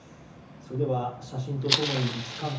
それでは写真と共に位置関係